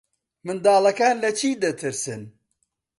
منداڵەکان لە چی دەترسن؟